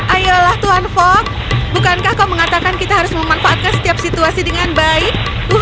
ayolah tuan fok bukankah kau mengatakan kita harus memanfaatkan setiap situasi dengan baik